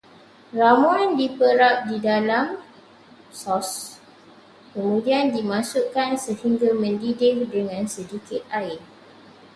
Ramuan diperap di dalam sos, kemudian dimasukkan sehingga mendidih dengan sedikit air